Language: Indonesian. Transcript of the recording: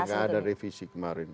tidak ada revisi kemarin